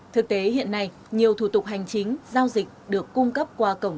thực tế hiện nay nhiều thủ tục hành chính giao dịch được cung cấp qua cổng dịch vụ công